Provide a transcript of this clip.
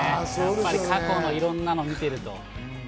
過去のいろんなのを見ていると。